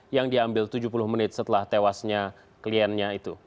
yang diambil tujuh puluh menit setelah tewasnya kliennya itu